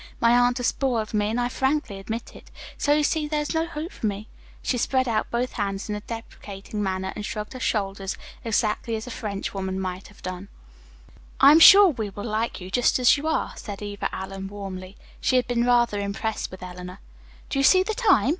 My aunt has spoiled me, and I frankly admit it. So, you see, there is no hope for me." She spread out both hands in a deprecating manner and shrugged her shoulders exactly as a French woman might have done. "I am sure we like you, just as you are," said Eva Allen warmly. She had been rather impressed with Eleanor. "Do you see the time?"